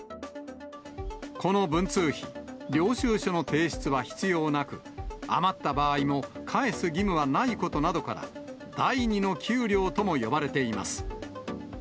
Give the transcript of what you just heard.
この文通費、領収書の提出は必要なく、余った場合も返す義務はないことから、第２の給料とも呼ばれています。